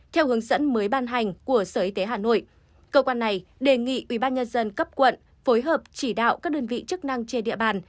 theo hướng dẫn mới ban hành của sở y tế hà nội cơ quan này đề nghị ubnd cấp quận phối hợp chỉ đạo các đơn vị chức năng trên địa bàn